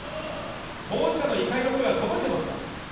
当事者の怒りの声は届いていますか。